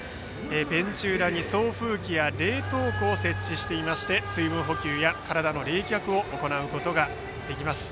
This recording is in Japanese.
ベンチ裏に送風機や冷凍庫を設置していまして水分補給や体の冷却を行うことができます。